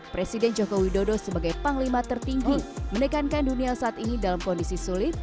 presiden joko widodo sebagai panglima tertinggi menekankan dunia saat ini dalam kondisi sulit